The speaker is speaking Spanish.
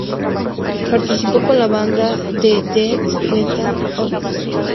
Participó con la banda de Death metal Obituary.